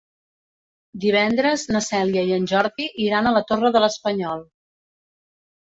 Divendres na Cèlia i en Jordi iran a la Torre de l'Espanyol.